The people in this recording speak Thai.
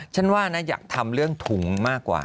ฉันได้รู้ว่าอยากทำเรื่องถุงมากกว่า